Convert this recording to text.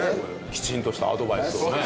きちんとしたアドバイスをね。